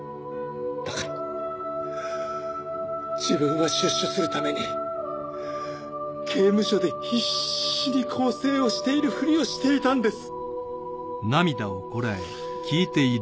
だから自分は出所するために刑務所で必死に更生をしているふりをしていたんです。